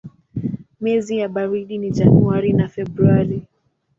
Miezi ya baridi ni Januari na Februari.